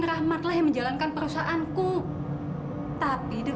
sampai jumpa di video selanjutnya